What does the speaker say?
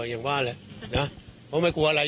อย่างว่าแหละนะเพราะไม่กลัวอะไร